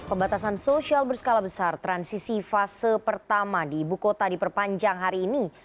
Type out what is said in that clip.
pembatasan sosial berskala besar transisi fase pertama di ibu kota diperpanjang hari ini